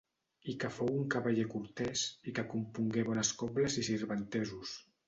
I que fou un cavaller cortès i que compongué bones cobles i sirventesos.